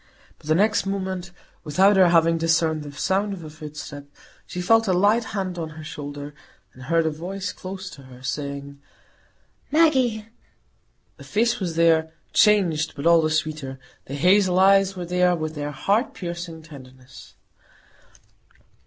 But the next moment, without her having discerned the sound of a footstep, she felt a light hand on her shoulder, and heard a voice close to her saying, "Maggie!" The face was there,—changed, but all the sweeter; the hazel eyes were there, with their heart piercing tenderness.